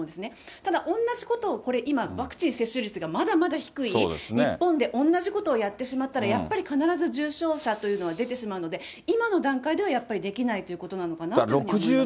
ただ同じことを、これ今、ワクチン接種率がまだまだ低い日本で同じことをやってしまったら、やっぱり必ず重症者というのは出てしまうので、今の段階ではやっぱりできないということなのかなというふうに思いますね。